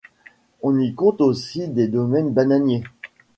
On y compte aussi des domaines bananiers.